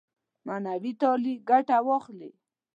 معنوي تعالي ګټه واخلي.